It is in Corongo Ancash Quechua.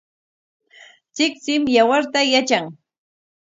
Tsiktsim yawarta yatran.